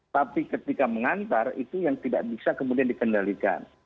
tapi ketika mengantar itu yang tidak bisa kemudian dikendalikan